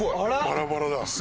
バラバラだ。